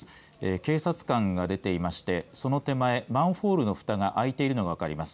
警察官が出ていましてその手前マンホールのふたが開いているのが分かります。